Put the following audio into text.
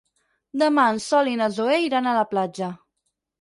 Demà en Sol i na Zoè iran a la platja.